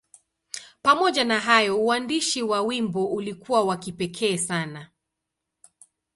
Pamoja na hayo, uandishi wa wimbo ulikuwa wa kipekee sana.